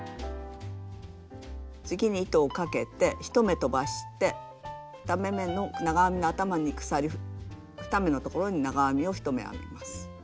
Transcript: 次に糸をかけて１目とばして２目めの長編みの頭に鎖２目のところに長編みを１目編みます。